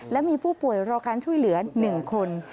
และมีผู้ป่วยรอการช่วยเหลือ๑คน